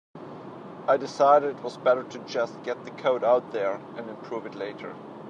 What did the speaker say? I decided it was better to just get the code out there and improve it later.